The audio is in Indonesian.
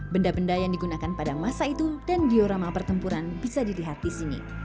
benda benda yang digunakan pada masa itu dan diorama pertempuran bisa dilihat di sini